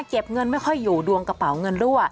เก็บเงินไม่ค่อยอยู่ดวงกระเป๋าเงินรั่ว